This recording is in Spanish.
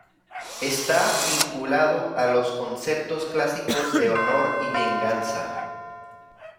Está vinculado a los conceptos clásicos de honor y venganza.